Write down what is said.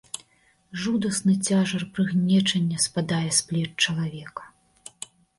Жудасны цяжар прыгнечання спадае з плеч чалавека.